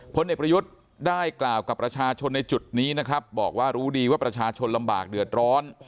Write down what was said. พลเอกประยุทธ์ได้กล่าวกับประชาชนในจุดนี้นะครับบอกว่ารู้ดีว่าประชาชนลำบากเดือดร้อน